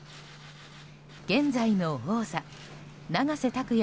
現在の王座・永瀬拓矢